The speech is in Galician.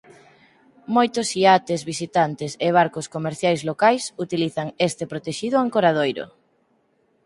Moitos iates visitantes e barcos comerciais locais utilizan este protexido ancoradoiro.